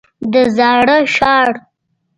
د زاړه ښار.